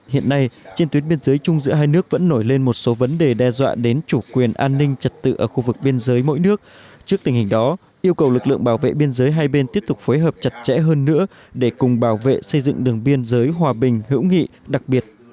hiện nay trên tuyến biên giới chung giữa hai nước vẫn nổi lên một số vấn đề đe dọa đến chủ quyền an ninh trật tự ở khu vực biên giới mỗi nước trước tình hình đó yêu cầu lực lượng bảo vệ biên giới hai bên tiếp tục phối hợp chặt chẽ hơn nữa để cùng bảo vệ xây dựng đường biên giới hòa bình hữu nghị đặc biệt